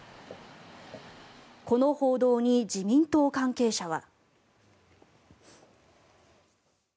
この報道に自民党関係者は。